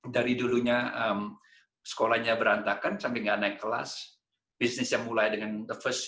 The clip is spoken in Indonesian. dari dulunya sekolahnya berantakan sampai nggak naik kelas bisnisnya mulai dengan the first